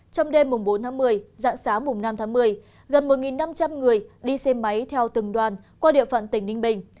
trong đêm bốn một mươi dạng sáng năm một mươi gần một năm trăm linh người đi xe máy theo từng đoàn qua địa phận tỉnh ninh bình